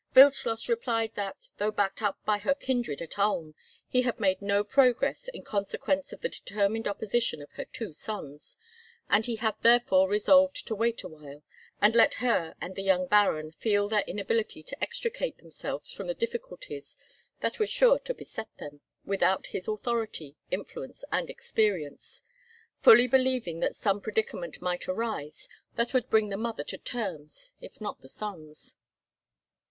Wildschloss replied that, though backed up by her kindred at Ulm, he had made no progress in consequence of the determined opposition of her two sons, and he had therefore resolved to wait a while, and let her and the young Baron feel their inability to extricate themselves from the difficulties that were sure to beset them, without his authority, influence, and experience—fully believing that some predicament might arise that would bring the mother to terms, if not the sons.